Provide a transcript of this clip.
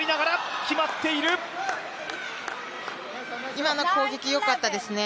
今の攻撃、よかったですね。